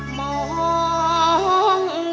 มองอย่าข่าวบั้ง